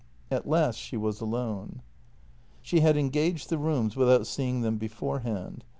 At last she was alone. She had engaged the rooms without seeing them beforehand.